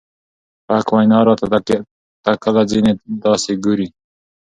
په حق وېنا راته تکله ځينې داسې ګوري